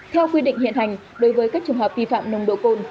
theo quy định hiện hành đối với các trường hợp vi phạm nồng độ cồn